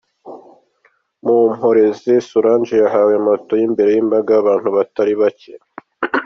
Mumporeze Solange yahawe Moto ye imbere y'imbaga y'abantu batari bake.